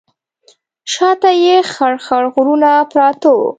شا ته یې خړ خړ غرونه پراته وو.